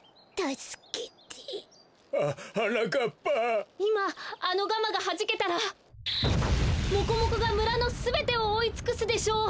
いまあのガマがはじけたらモコモコがむらのすべてをおおいつくすでしょう！